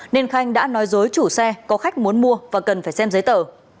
nên khanh đã nói dối chủ xe có khách muốn mua và cần phải xem giấy tờ